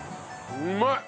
うまい。